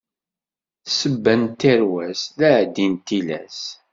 Ssebba n tirwas, d aɛaddi n tilas.